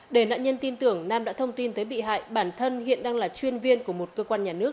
để nạn nhân tin tưởng nam đã thông tin tới bị hại bản thân hiện đang là chuyên viên của một cơ quan nhà nước